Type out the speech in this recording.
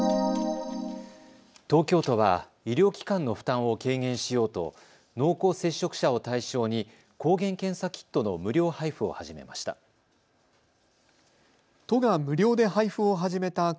東京都は医療機関の負担を軽減しようと濃厚接触者を対象に抗原検査キットの無料配布を始めました。